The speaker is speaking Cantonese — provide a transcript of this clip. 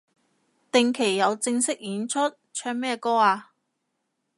定期有正式演出？唱咩歌啊